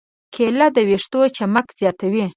کېله د ویښتو چمک زیاتوي.